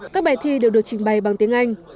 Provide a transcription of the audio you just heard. các bài thi đều được trình bày bằng tiếng anh